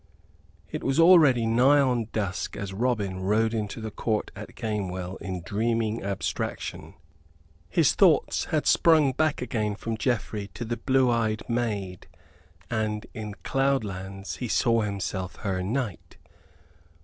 It was already nigh on dusk as Robin rode into the court at Gamewell in dreaming abstraction. His thoughts had sprung back again from Geoffrey to the blue eyed maid: and in cloudlands he saw himself her knight.